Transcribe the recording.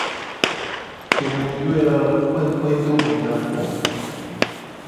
Ke mu yoe vo a mu kpekpe do me na mu o.